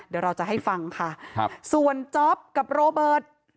เดี๋ยวเราจะให้ฟังค่ะครับส่วนจ๊อปกับโรเบิร์ต